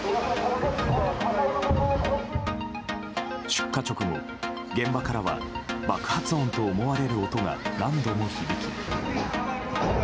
出火直後、現場からは爆発音と思われる音が何度も響き。